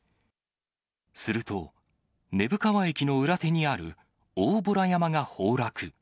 すると、根府川駅の裏手にある大洞山が崩落。